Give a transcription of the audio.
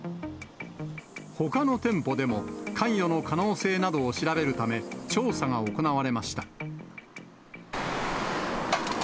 ほかの店舗でも、関与の可能性などを調べるため、調査が行われました。